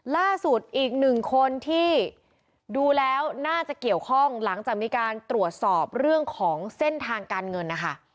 ล่าสุดอีกหนึ่งคนที่ดูแล้วน่าจะเกี่ยวข้องหลังจากมีการตรวจสอบเรื่องของเส้นทางการเงินนะคะ